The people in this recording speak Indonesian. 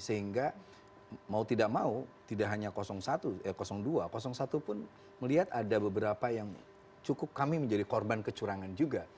sehingga mau tidak mau tidak hanya satu dua satu pun melihat ada beberapa yang cukup kami menjadi korban kecurangan juga